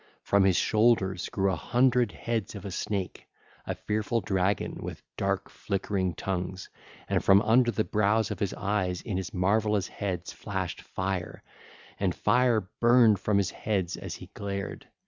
From his shoulders grew an hundred heads of a snake, a fearful dragon, with dark, flickering tongues, and from under the brows of his eyes in his marvellous heads flashed fire, and fire burned from his heads as he glared.